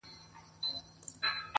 • تا ولي په سوالونو کي سوالونه لټوله .